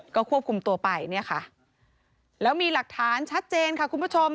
ก็ควบคุมตัวไปเนี่ยค่ะแล้วมีหลักฐานชัดเจนค่ะคุณผู้ชม